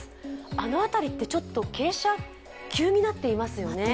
あの辺りってちょっと傾斜が急になっていますよね。